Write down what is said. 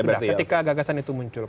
ketika gagasan itu muncul